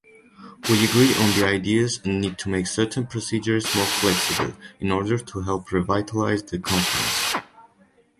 We agree on the ideas and need to make certain procedures more flexible in order to help revitalize the Conference.